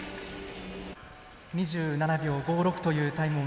２７秒５６というタイム。